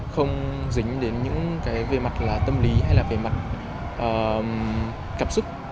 không dính đến những cái về mặt là tâm lý hay là về mặt cảm xúc